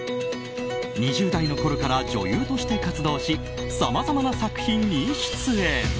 ２０代のころから女優として活動しさまざまな作品に出演。